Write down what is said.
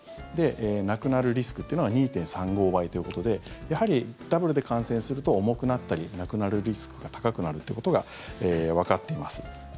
亡くなるリスクというのは２．３５倍ということでやはりダブルで感染すると重くなったり亡くなるリスクが高くなるということがわかっています。